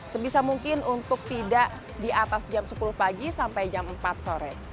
sebisa mungkin untuk tidak di atas jam sepuluh pagi sampai jam empat sore